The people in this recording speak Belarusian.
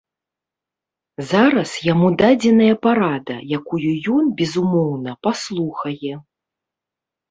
Зараз яму дадзеная парада, якую ён, безумоўна, паслухае.